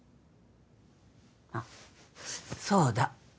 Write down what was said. あっそうだ